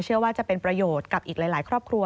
เชื่อว่าจะเป็นประโยชน์กับอีกหลายครอบครัว